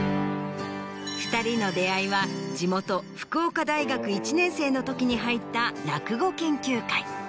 ２人の出会いは地元福岡大学１年生の時に入った落語研究会。